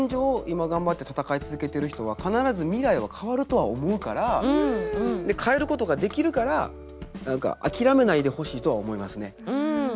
今頑張って闘い続けてる人は必ず未来は変わるとは思うから変えることができるから何か諦めないでほしいとは思いますね。